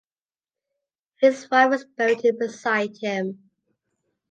His wife was buried beside him.